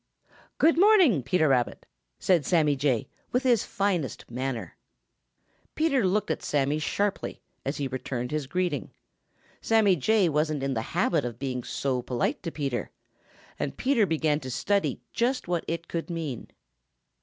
"Good morning, Peter Rabbit," said Sammy Jay, with his finest manner. Peter looked at Sammy sharply as he returned his greeting. Sammy Jay wasn't in the habit of being so polite to Peter, and Peter began to study just what it could mean.